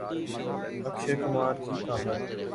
اکشے کمار کی آمد